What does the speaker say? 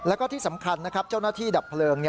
แล้วก็ที่สำคัญนะครับเจ้าหน้าที่ดับเพลิง